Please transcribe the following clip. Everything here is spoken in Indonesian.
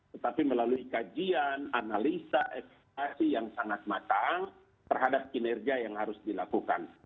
tetapi melalui kajian analisa evaluasi yang sangat matang terhadap kinerja yang harus dilakukan